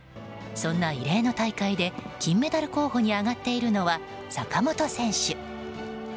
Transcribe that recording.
そんな異例の大会で金メダル候補に挙がっているのは坂本選手。